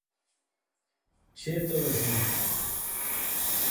Let your financial institutions know as well.